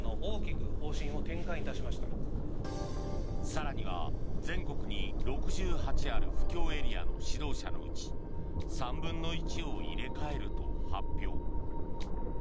更には全国に６８ある布教エリアの指導者のうち３分の１を入れ替えると発表。